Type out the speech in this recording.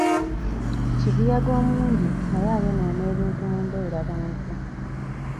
Kibuyaga omungi naye ayonoona ebintu mu mbeerabantu.